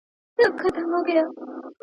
نادر شاه افشار ولي احمد شاه بابا خوښاوه؟